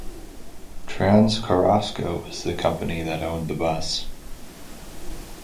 Trans Carrasco was the company that owned the bus.